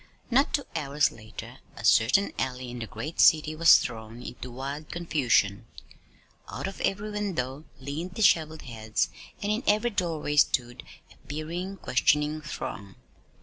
Not two hours later a certain alley in the great city was thrown into wild confusion. Out of every window leaned disheveled heads, and in every doorway stood a peering, questioning throng.